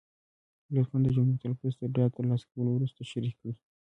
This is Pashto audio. لطفا د جملو تلفظ تر ډاډ تر لاسه کولو وروسته شریکې کړئ.